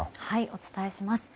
お伝えします。